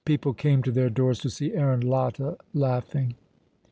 People came to their doors to see Aaron Latta laughing.